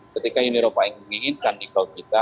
ketika uni eropa ingin kan dikaut kita